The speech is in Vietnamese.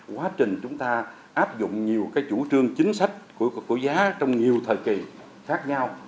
quá trình chúng ta áp dụng nhiều chủ trương chính sách của giá trong nhiều thời kỳ khác nhau